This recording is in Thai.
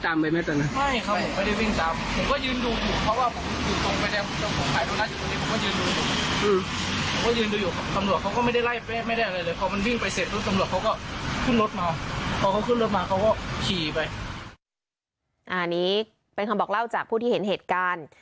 อันนี้เป็นคำบอกเล่าจากผู้ที่เห็นเหตุการณ์